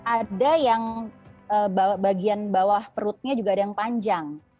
ada yang bagian bawah perutnya juga ada yang panjang